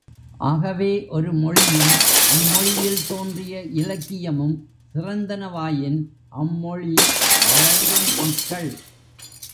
ஆகவே, ஒரு மொழியும், அம்மொழியில் தோன்றிய இலக்கியமும் சிறந்தனவாயின், அம்மொழி வழங்கும் மக்கள்.